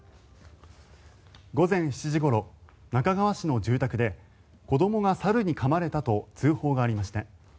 午前７時ごろ、那珂川市の住宅で子どもが猿にかまれたと通報がありました。